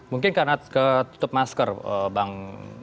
mungkin karena ketutup masker bang